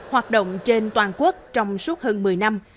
hoạt động trên toàn quốc trong suốt hơn một mươi năm